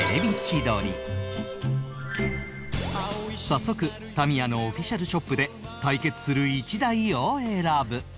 早速タミヤのオフィシャルショップで対決する１台を選ぶ